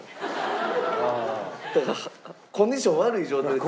だからコンディション悪い状態で。